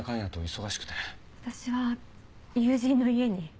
私は友人の家に。